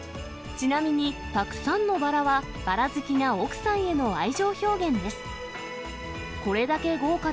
ちなみにたくさんのバラは、バラ好きな奥さんへの愛情表現です。